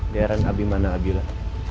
di daerah abimana abila